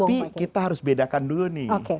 tapi kita harus bedakan dulu nih